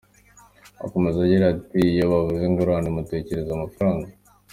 Akomeza agira ati “Iyo bavuze ingurane mutekereza amafaranga.